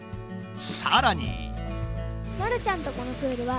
さらに。